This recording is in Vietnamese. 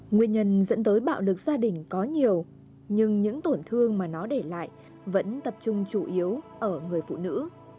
nguyên nhân dẫn tới bạo lực gia đình có nhiều nhưng những tổn thương mà nó để lại vẫn tập trung chủ yếu ở người phụ nữ